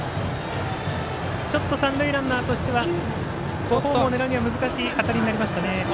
ちょっと三塁ランナーとしてはホームを狙うには難しい当たりになりましたね。